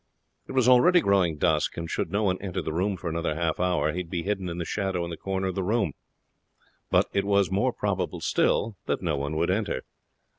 It was already growing dusk, and should no one enter the room for another half hour he would be hidden in the shadow in the corner of the room; but it was more probable still that no one would enter.